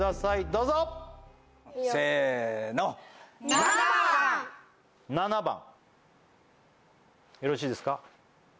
どうぞせの７番７番よろしいですか？